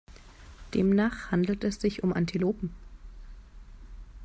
Demnach handelt es sich um Antilopen.